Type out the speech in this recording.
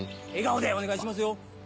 笑顔でお願いしますよ！